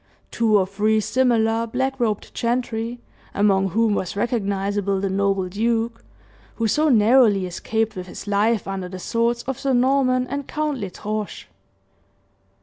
Two or three similar black robed gentry, among whom was recognizable the noble duke who so narrowly escaped with his life under the swords of Sir Norman and Count L'Estrange.